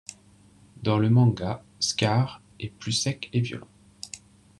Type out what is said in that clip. Dans le manga, Scar est plus sec et violent.